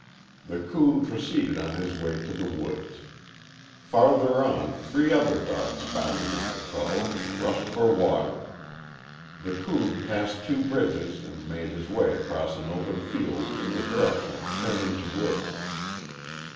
The coon proceeded on his way to the woods. Farther on three other dogs bounded into trouble, and rushed for water. The coon passed two bridges and made his way across an open field in the direction of Turner's wood.